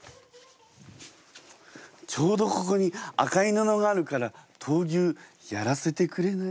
ちょうどここに赤いぬのがあるから闘牛やらせてくれない？